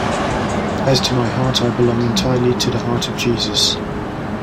As to my heart, I belong entirely to the Heart of Jesus.